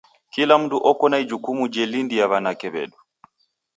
Kila mndu oko na ijukumu jelindia w'anake w'edu.